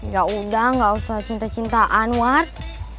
yaudah gak usah cinta cintaan ward